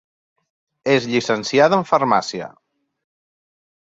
És llicenciada en Farmàcia.